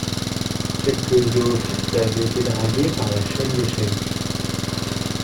Quelques zoophytes avaient été dragués par la chaîne des chaluts.